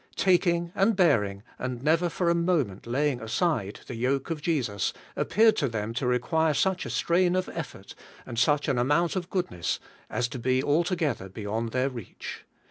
Taking, and bearing, and never for a moment laying aside the yoke of Jesus, appeared to them to require such a AND YE SHALL FIND REST TO YOUR SOULS. 23 strain of effort, and such an amount of goodness, as to be altogether beyond their reach.